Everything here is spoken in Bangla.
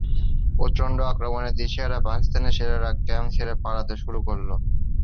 প্রচণ্ড আক্রমণে দিশেহারা পাকিস্তানি সেনারা ক্যাম্প ছেড়ে পালাতে শুরু করল।